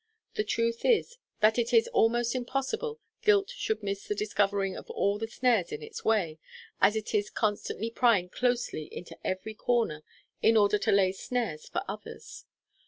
The truth is, that it is almost impossible guilt should miss the discovering of all the snares in its way, as it is constantly prying closely into every corner in order to lay snares for others.